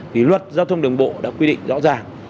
thì luật giao thông đường bộ đã quy định rõ ràng